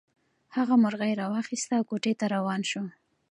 هغه مرغۍ راواخیسته او کوټې ته روان شو.